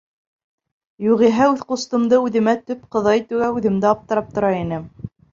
Юғиһә, үҙ ҡустымды үҙемә төп ҡоҙа итеүгә үҙем дә аптырап тора инем.